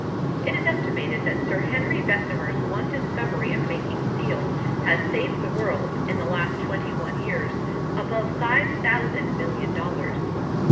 It is estimated that Sir Henry Bessemer's one discovery of making steel has saved the world, in the last twenty one years, above five thousand million dollars.